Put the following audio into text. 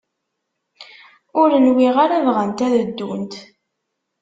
Ur nwiɣ ara bɣant ad ddunt.